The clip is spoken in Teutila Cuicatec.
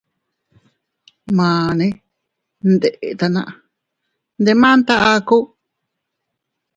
Mane ne ndetana, ndemanta aku.